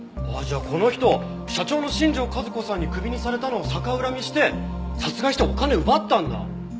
じゃあこの人社長の新庄和子さんにクビにされたのを逆恨みして殺害してお金奪ったんだ！